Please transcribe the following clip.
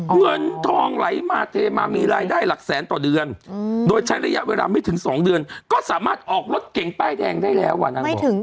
เงินทองไหลมาเทมามีรายได้หลักแสนต่อเดือนโดยใช้ระยะเวลาไม่ถึง๒เดือนก็สามารถออกรถเก่งป้ายแดงได้แล้วอ่ะนางบอก